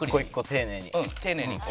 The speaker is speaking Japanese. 丁寧にね。